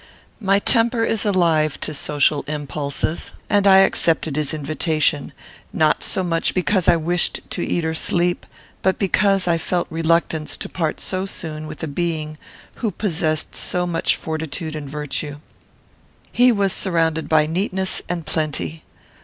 My temper is alive to social impulses, and I accepted his invitation, not so much because I wished to eat or to sleep, but because I felt reluctance to part so soon with a being who possessed so much fortitude and virtue. He was surrounded by neatness and plenty.